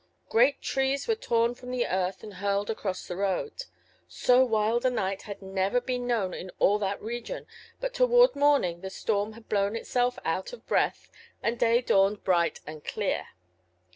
Great trees were torn from the earth and hurled across the roads. So wild a night had never been known in all that region, but toward morning the storm had blown itself out of breath and day dawned bright and clear.